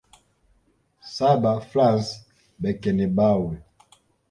Saba Franz Beckenbaue